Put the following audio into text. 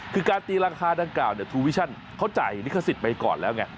คือการตีราคาดังกล่าวทูวิชั่นเขาจ่ายลิขสิทธิ์ไปก่อนแล้วไง